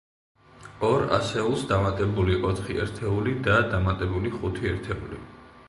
ორ ასეულს დამატებული ოთხი ერთეული და დამატებული ხუთი ერთეული.